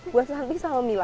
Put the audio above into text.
buat santi sama mila ya